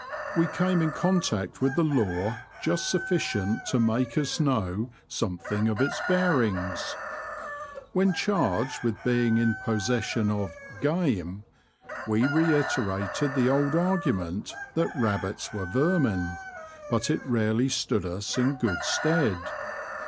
We came in contact with the law just sufficient to make us know something of its bearings. When charged with being in possession of '' game " we reiterated the old argument that rabbits were vermxu — but it rarely stood us in good stead.